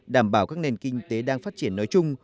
đảm bảo các nền kinh tế đang phát triển nói chung